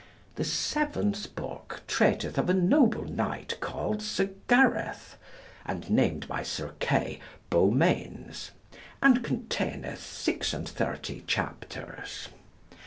The seventh book treateth of a noble knight called Sir Gareth, and named by Sir Kay 'Beaumains,' and containeth 36 chapters.